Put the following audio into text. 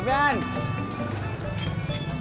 banjeknya gak kemana